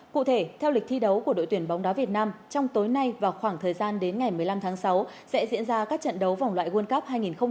cụ thể theo lịch thi đấu của đội tuyển bóng đá việt nam trong tối nay và khoảng thời gian đến ngày một mươi năm tháng sáu sẽ diễn ra các trận đấu vòng loại world cup hai nghìn hai mươi